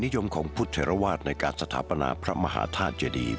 คตินิยมของพุทธเทราวาสในการสถาปนาพระมหาธาตุเจดีย์